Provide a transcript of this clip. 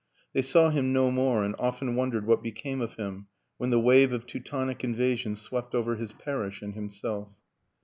They saw him no more and often wondered what be came of him when the wave of Teutonic invasion swept over his parish and himself.